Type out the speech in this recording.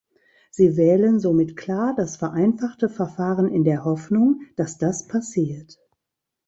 Sie wählen somit klar das vereinfachte Verfahren in der Hoffnung, dass das passiert.